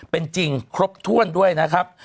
เป็นจริงครบถ้วนด้วยนะครับ